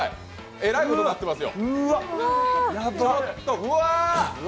えらいことになってますよ。